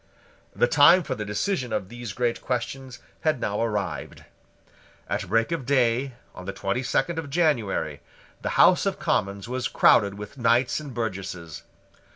The time for the decision of these great questions had now arrived. At break of day, on the twenty second of January, the House of Commons was crowded with knights and burgesses.